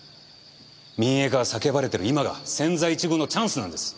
民営化が叫ばれてる今が千載一遇のチャンスなんです。